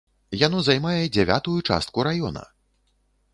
Яно займае дзявятую частку раёна!